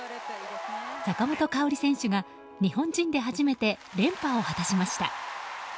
坂本花織選手が日本人で初めて連覇を果たしました。